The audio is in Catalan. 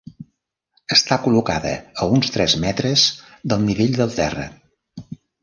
Està col·locada a uns tres metres del nivell del terra.